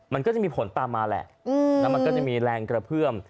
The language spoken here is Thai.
มันก็จะมีผลตามมาแหละแล้วมันก็จะมีแรงกระเพื่อม